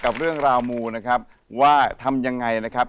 กับเรื่องราวมูนะครับว่าทำยังไงนะครับ